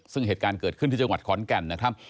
ซึ่งเหตุการณ์เกิดขึ้นที่จังหวัดขอนแก่นนะครับ